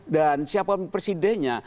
dan siapa presidennya